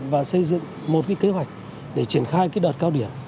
và xây dựng một cái kế hoạch để triển khai cái đợt cao điểm